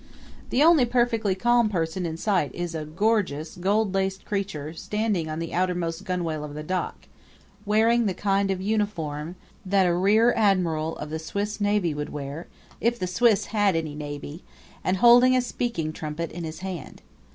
The only perfectly calm person in sight is a gorgeous, gold laced creature standing on the outermost gunwale of the dock, wearing the kind of uniform that a rear admiral of the Swiss navy would wear if the Swiss had any navy and holding a speaking trumpet in his hand.